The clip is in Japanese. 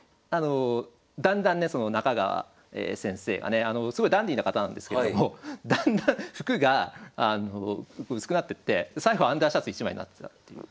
だんだんね中川先生がねすごいダンディーな方なんですけれどもだんだん服が薄くなってってで最後はアンダーシャツ１枚になってたっていう。